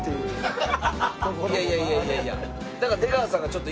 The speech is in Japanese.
いやいやいやいやいや。